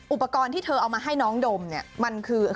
อุปกรณ์ที่เธอเอามาให้น้องดมเนี่ยมันคือ